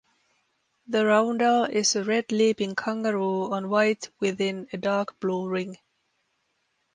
The roundel is a red leaping kangaroo on white within a dark blue ring.